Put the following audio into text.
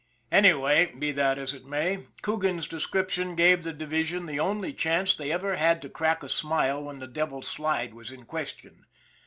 Anyway, be that as it may, Coogan's description gave the division the only chance they ever had to crack a smile when the Devil's Slide was in question.